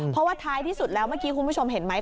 เพราะว่าท้ายที่สุดแล้วเมื่อกี้คุณผู้ชมเห็นไหม